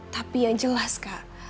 tapi yang jelas kak